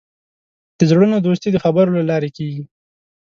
د زړونو دوستي د خبرو له لارې کېږي.